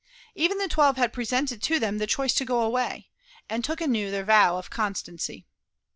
Even the twelve had presented to them the choice to go away, and took anew their vow of constancy.